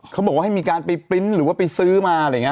เขาบอกว่าให้มีการไปปริ้นต์หรือว่าไปซื้อมาอะไรอย่างนี้